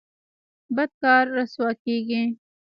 بد کار رسوا کیږي